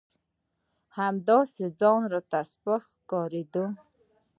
همداسې ځان راته سپک ښکارېده.